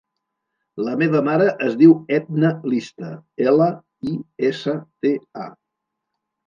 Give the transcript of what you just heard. La meva mare es diu Etna Lista: ela, i, essa, te, a.